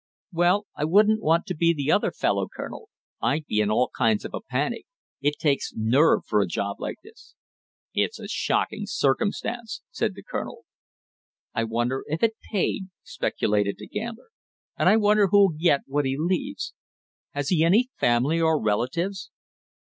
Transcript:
"Well, I wouldn't want to be the other fellow, Colonel; I'd be in all kinds of a panic; it takes nerve for a job like this." "It's a shocking circumstance," said the colonel. "I wonder if it paid!" speculated the gambler. "And I wonder who'll get what he leaves. Has he any family or relatives?"